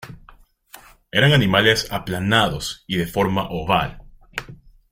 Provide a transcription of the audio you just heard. Eran animales aplanados y de forma oval.